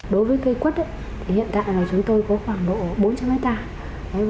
đối với cây quất hiện tại chúng tôi có khoảng độ bốn trăm linh hectare